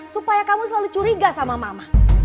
supaya kamu selalu curiga sama mama